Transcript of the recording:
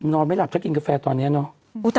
นอนไม่หลับจะกินกาแฟตอนนี้นะ